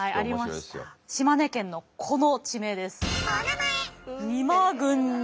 島根県のこの地名です。